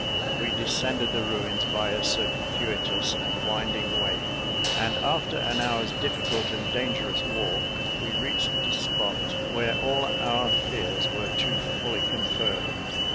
We descended the ruins by a circuitous and winding way; and, after an hour's difficult and dangerous walk, we reached the spot, where all our fears were too fully confirmed.